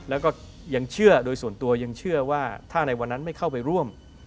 แล้วก็ยังเชื่อโดยส่วนตัวยังเชื่อว่าถ้าในวันนั้นไม่เข้าไปร่วม